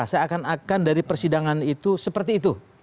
seakan akan dari persidangan itu seperti itu